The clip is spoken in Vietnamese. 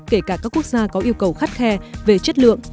kể cả các quốc gia có yêu cầu khắt khe về chất lượng